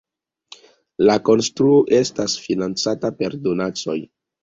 La konstruo estas financata per donacoj.